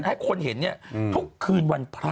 ให้คนเห็นทุกคืนวันพระ